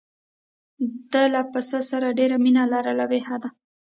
ده له پسه سره ډېره مینه لرله بې حده.